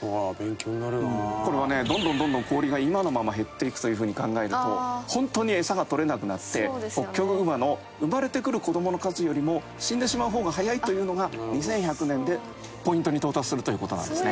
これはねどんどんどんどん氷が今のまま減っていくという風に考えると本当に餌が取れなくなってホッキョクグマの生まれてくる子どもの数よりも死んでしまう方が早いというのが２１００年でポイントに到達するという事なんですね。